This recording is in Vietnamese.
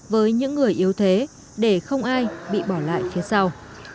với những người yếu thế để không ai bị bỏ lại phía sau